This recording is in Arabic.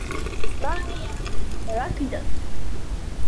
ماري ركضت.